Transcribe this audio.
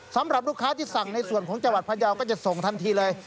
สำหรับลูกค้าที่สั่งในส่วนของจังหวัดพยาวก็จะส่งทันทีเลย